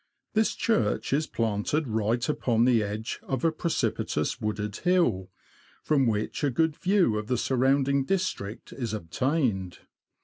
This church is planted right upon the edge of a precipitous, w^ooded hill, from which a good view of the surrounding district is obtained.